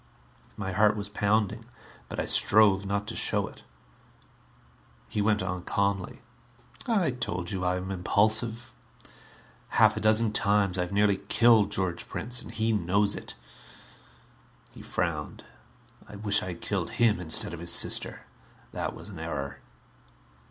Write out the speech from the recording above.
My heart was pounding but I strove not to show it. He went on calmly. "I told you I am impulsive. Half a dozen times I have nearly killed George Prince, and he knows it." He frowned. "I wish I had killed him instead of his sister. That was an error."